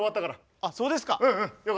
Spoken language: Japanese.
あそうですか。